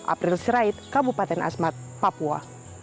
april sirait kabupaten asmat papua